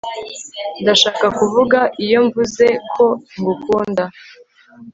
Ndashaka kuvuga iyo mvuze ko ngukunda